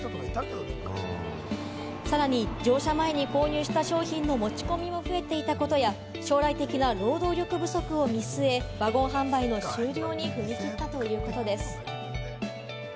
さらに乗車前に購入した商品の持ち込みも増えていたことや、将来的な労働力不足を見据え、ワゴン販売の終了に踏み切ったということです。